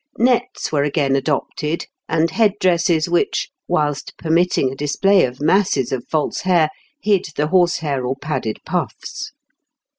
Nets were again adopted, and head dresses which, whilst permitting a display of masses of false hair, hid the horsehair or padded puffs.